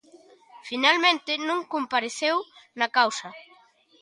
Finalmente non compareceu na causa.